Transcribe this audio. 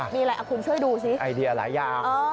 มีอะไรคุณช่วยดูสิไอเดียหลายอย่าง